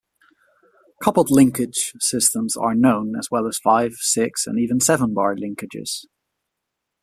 Coupled linkage systems are known, as well as five-, six-, and even seven-bar linkages.